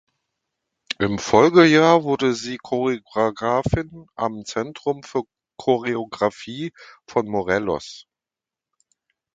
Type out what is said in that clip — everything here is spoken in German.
Im Folgejahr wurde sie Choreografin am Zentrum für Choreografie von Morelos.